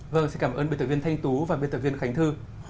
vâng xin cảm ơn biên tập viên thanh tú và biên tập viên khánh thư